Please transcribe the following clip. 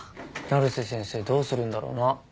成瀬先生どうするんだろうな。